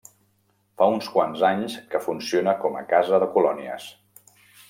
Fa uns quants anys que funciona com a Casa de Colònies.